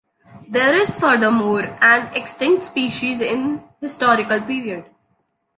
There is furthermore an extinct species in historical period.